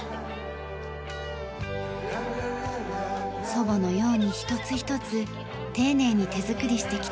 祖母のように一つ一つ丁寧に手作りしてきた山内さん。